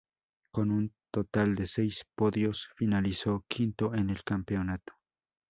Con un total de seis podios, finalizó quinto en el campeonato.